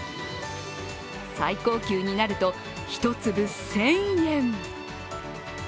最高級になると、１粒１０００円。